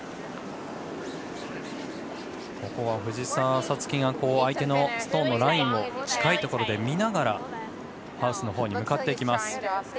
藤澤五月が相手のストーンのラインを近いところで見ながらハウスのほうに向かっていきます。